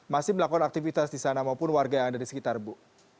masih melakukan aktivitas di sana maupun warga yang ada di sekitar bu